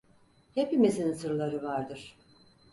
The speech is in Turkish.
Hepimizin sırları vardır.